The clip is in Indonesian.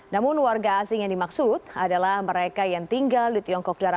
namun warga asing yang dimaksud adalah mereka yang tinggal di bali dan timur